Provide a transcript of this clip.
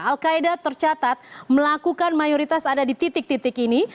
al qaeda tercatat melakukan mayoritas ada di titik titik ini